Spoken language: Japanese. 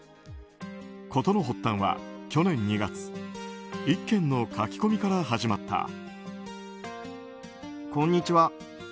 事の発端は去年２月１件の書き込みから始まった。